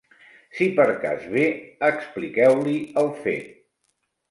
Si per cas ve, expliqueu-li el fet.